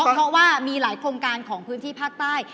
เพราะว่ามีหลายโครงการของพื้นที่ภาคใต้